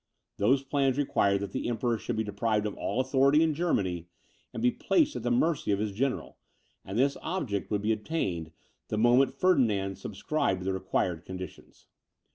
Those plans required that the Emperor should be deprived of all authority in Germany, and be placed at the mercy of his general; and this object would be attained, the moment Ferdinand subscribed the required conditions.